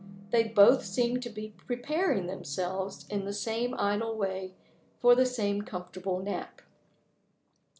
They both seemed to be preparing themselves, in the same idle way, for the same comfortable nap.